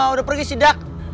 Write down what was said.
udah pergi sidak